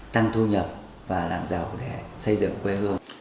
tăng thu nhập và làm giàu để xây dựng quê hương